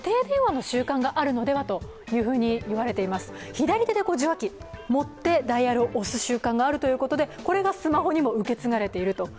左手で受話器を持ってダイヤルを押す習慣があるということで、これがスマホにも受け継がれていると。